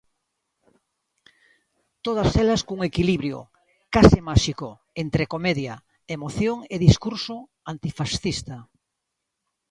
Todas elas cun equilibrio, case máxico, entre comedia, emoción e discurso antifascista.